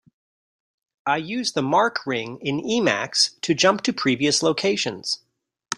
I use the mark ring in Emacs to jump to previous locations.